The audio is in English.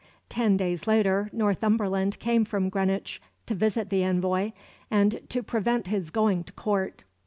Ten days later Northumberland came from Greenwich to visit the envoy, and to prevent his going to Court.